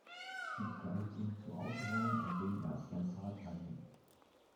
Sie begleitet ihn zu Autorennen, an denen er als Rennfahrer teilnimmt.